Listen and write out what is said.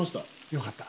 よかった。